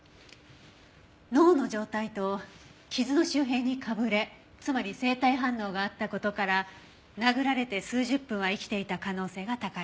脳の状態と傷の周辺にかぶれつまり生体反応があった事から殴られて数十分は生きていた可能性が高い。